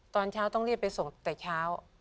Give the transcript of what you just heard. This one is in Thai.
ตอนเช้าต้องรีบไปส่งแต่เช้า